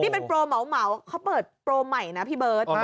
นี่เป็นโปรเหมาเขาเปิดโปรใหม่นะพี่เบิร์ต